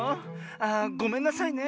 ああごめんなさいね。